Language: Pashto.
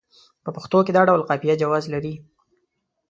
په پښتو کې دا ډول قافیه جواز لري.